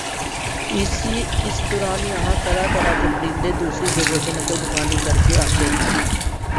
اس دوران یہاں طرح طرح کے پرندے دوسری جگہوں سے نقل مکانی کرکے آتے ہیں